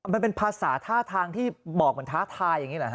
มันเป็นภาษาท่าทางที่บอกเหมือนท้าทายอย่างนี้เหรอฮ